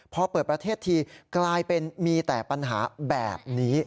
พอเปิดประเทศทีกลายเป็นมีแต่ปัญหาแบบนี้